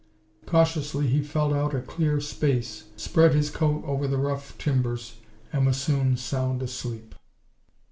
Cautiously he felt out a clear space, spread his coat over the rough timbers and was soon sound asleep.